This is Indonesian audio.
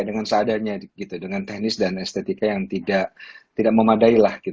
dengan seadanya dengan teknis dan estetika yang tidak memadai lah